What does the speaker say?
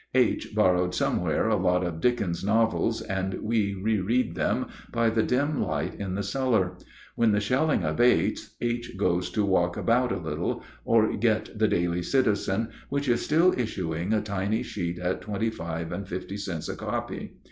H. borrowed somewhere a lot of Dickens's novels, and we reread them, by the dim light in the cellar. When the shelling abates, H. goes to walk about a little or get the "Daily Citizen," which is still issuing a tiny sheet at twenty five and fifty cents a copy.